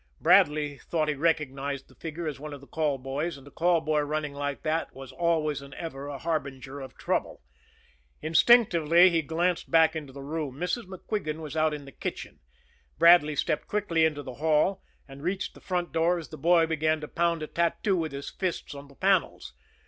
Bradley thought he recognized the figure as one of the call boys, and a call boy running like that was always and ever a harbinger of trouble. Instinctively he glanced back into the room. Mrs. MacQuigan was out in the kitchen. Bradley stepped quickly into the hall, and reached the front door as the boy began to pound a tattoo with his fists on the panels.